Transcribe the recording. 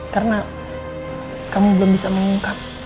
karena kamu belum bisa mengungkap